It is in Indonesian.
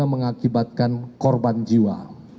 juga mengakibatkan korban jiwa